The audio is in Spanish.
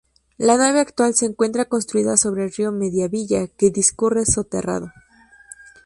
La nave actual se encuentra construida sobre el río Mediavilla, que discurre soterrado.